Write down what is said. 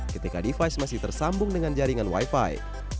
ketika device masih tersambung dengan jaringan wifi